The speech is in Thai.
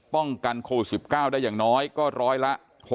ป้องกันโควิด๑๙ได้อย่างน้อยก็ร้อยละ๖๐